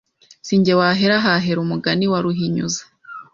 Si jye wahera hahera umugani wa Ruhinyuza